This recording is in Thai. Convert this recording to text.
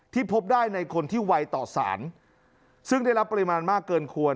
พบได้ในคนที่ไวต่อสารซึ่งได้รับปริมาณมากเกินควร